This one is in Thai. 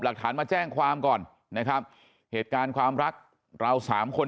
หลักฐานมาแจ้งความก่อนนะครับเหตุการณ์ความรักเราสามคน